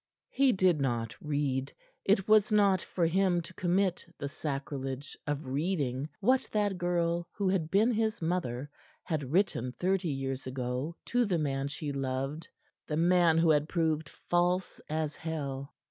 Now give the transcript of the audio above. He did not read. It was not for him to commit the sacrilege of reading what that girl who had been his mother had written thirty years ago to the man she loved the man who had proved false as hell.